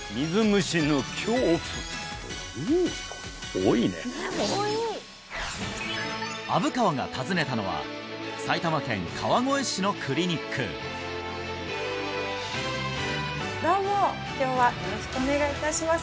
多いね虻川が訪ねたのは埼玉県川越市のクリニックどうも今日はよろしくお願いいたします